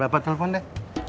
biar bapak telepon deh